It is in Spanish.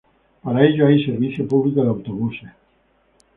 Para ello hay servicio público de autobuses.